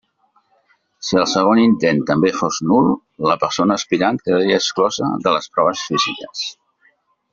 Si el segon intent també fos nul, la persona aspirant quedaria exclosa de les proves físiques.